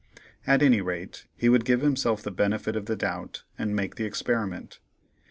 At any rate, he would give himself the benefit of the doubt and make the experiment.